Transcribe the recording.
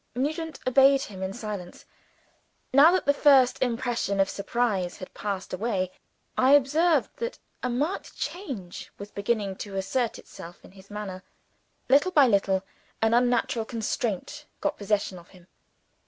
Nugent obeyed him in silence. Now that the first impression of surprise had passed away, I observed that a marked change was beginning to assert itself in his manner. Little by little, an unnatural constraint got possession of him.